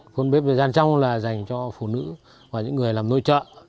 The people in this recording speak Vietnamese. khuôn bếp ở gian trong là dành cho phụ nữ và những người làm nôi trợ